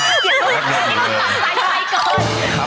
อย่าต้องกลับใจใจก่อน